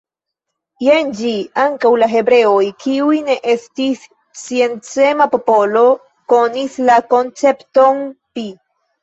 Jen ĝi: Ankaŭ la hebreoj, kiuj ne estis sciencema popolo, konis la koncepton pi.